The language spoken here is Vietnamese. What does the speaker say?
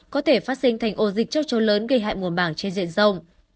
có thể phát sinh thành ổ dịch châu chấu lớn gây hại mùa màng trên diện rộng